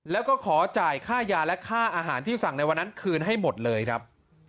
แล้วก็ขอจ่ายค่ายาและค่าอาหารที่สั่งในวันนั้นคืนให้หมดเลยครับ